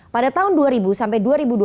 pada tahun dua ribu sampai dua ribu dua puluh